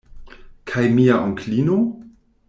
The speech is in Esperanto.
Kaj mia onklino?